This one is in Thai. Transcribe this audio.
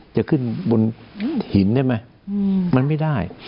จะขึ้นบนหินได้ไหมมันไม่ได้